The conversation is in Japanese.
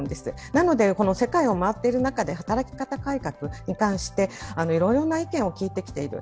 なので、世界を回っている中で働き方改革に関していろいろな意見を聞いてきている。